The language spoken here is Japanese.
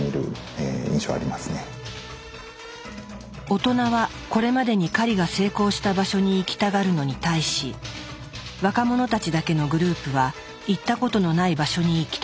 大人はこれまでに狩りが成功した場所に行きたがるのに対し若者たちだけのグループは行ったことのない場所に行きたがる。